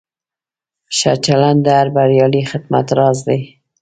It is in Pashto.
ښه چلند د هر بریالي خدمت راز دی.